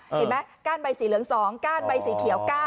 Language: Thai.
เห็นไหมก้านใบสีเหลือง๒ก้านใบสีเขียว๙